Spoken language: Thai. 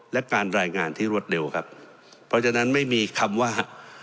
และการรายงานที่รวดเร็วครับเพราะฉะนั้นไม่มีคำว่า